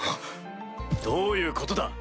どういうことだ！